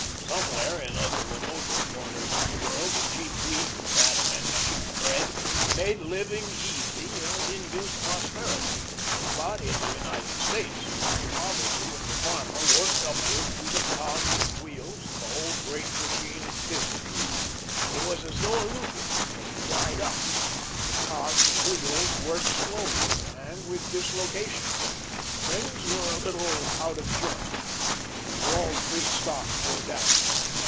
Somewhere in other remoter corners of the world the cheap wheat, that meant cheap bread, made living easy and induced prosperity, but in the United States the poverty of the farmer worked upward through the cogs and wheels of the whole great machine of business. It was as though a lubricant had dried up. The cogs and wheels worked slowly and with dislocations. Things were a little out of joint. Wall Street stocks were down.